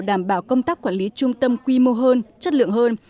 đảm bảo công tác quản lý trung tâm quy mô hơn chất lượng hơn